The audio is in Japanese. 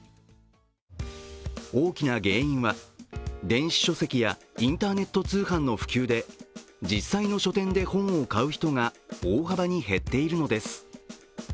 大きな原因は電子書籍やインターネット通販の普及で実際の書店で本を買う人が大幅に減っているのです。